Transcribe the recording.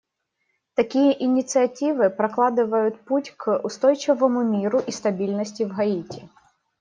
Такие инициативы прокладывают путь к устойчивому миру и стабильности в Гаити.